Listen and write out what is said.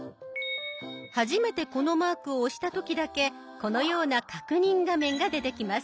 初めてこのマークを押した時だけこのような確認画面が出てきます。